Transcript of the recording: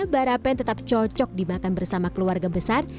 barapen tetap cocok dimakan bersama keluarga besar